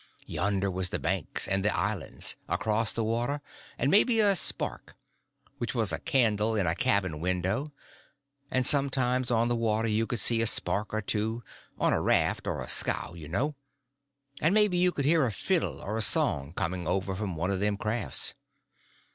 Yonder was the banks and the islands, across the water; and maybe a spark—which was a candle in a cabin window; and sometimes on the water you could see a spark or two—on a raft or a scow, you know; and maybe you could hear a fiddle or a song coming over from one of them crafts.